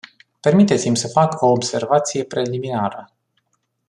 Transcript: Permiteți-mi să fac o observație preliminară.